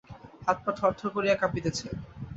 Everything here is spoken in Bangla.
হাত-পা থরথর করিয়া কাঁপিতেছে।